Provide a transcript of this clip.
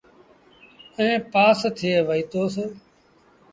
ائيٚݩ پآس ٿئي وهيٚتوس۔